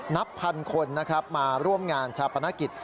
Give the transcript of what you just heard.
นับพันคนนะครับมาร่วมงานชาปนกิจ